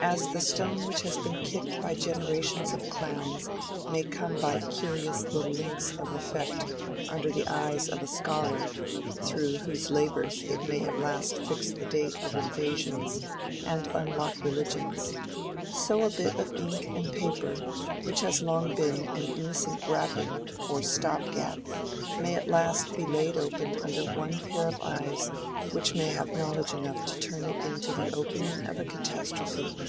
As the stone which has been kicked by generations of clowns may come by curious little links of effect under the eyes of a scholar, through whose labors it may at last fix the date of invasions and unlock religions, so a bit of ink and paper which has long been an innocent wrapping or stop gap may at last be laid open under the one pair of eyes which have knowledge enough to turn it into the opening of a catastrophe.